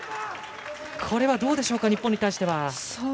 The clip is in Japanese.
これはどうでしょうか日本に対しては。